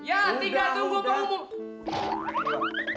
ya tinggal tunggu keumumannya